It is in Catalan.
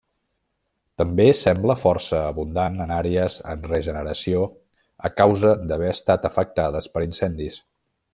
També sembla força abundant en àrees en regeneració a causa d'haver estat afectades per incendis.